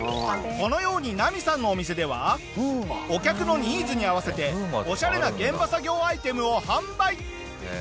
このようにナミさんのお店ではお客のニーズに合わせてオシャレな現場作業アイテムを販売。